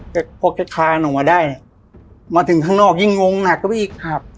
แต่พอจะคานออกมาได้มาถึงข้างนอกยิ่งงงหนักก็ไม่อีกครับ